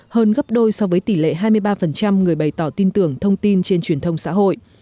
hơn gấp đôi so với tỷ lệ hai mươi ba người bày tỏ tin tưởng thông tin trên truyền thông xã hội